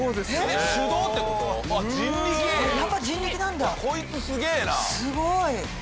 すごい。